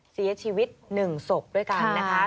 เสียชีวิต๑ศพด้วยกันนะคะ